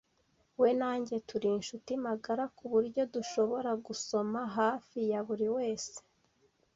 We na njye turi inshuti magara kuburyo dushobora gusoma hafi ya buriwese.